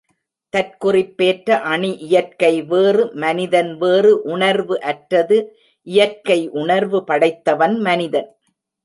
தற்குறிப்பேற்ற அணி இயற்கை வேறு மனிதன் வேறு உணர்வு அற்றது இயற்கை உணர்வு படைத்தவன் மனிதன்.